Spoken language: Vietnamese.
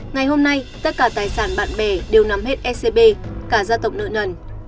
ngày hôm nay tất cả tài sản bạn bè đều nắm hết ecb cả gia tộc nợ nần